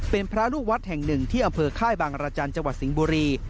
เป็นพระลูกวัดแห่งหนึ่งที่อำเภอค่ายบางรจันทร์จังหวัดสิงห์บุรี